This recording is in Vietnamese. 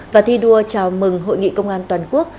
và thi đua chào mừng hội nghị công an toàn quốc